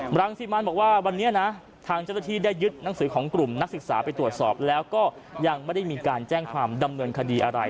รังสิมันบอกว่าวันนี้นะทางเจ้าหน้าที่ได้ยึดหนังสือของกลุ่มนักศึกษาไปตรวจสอบแล้วก็ยังไม่ได้มีการแจ้งความดำเนินคดีอะไร